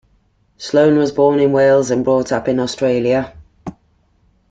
Sloane was born in Wales and brought up in Australia.